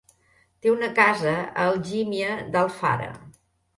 Té una casa a Algímia d'Alfara.